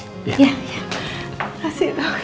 iya iya makasih dok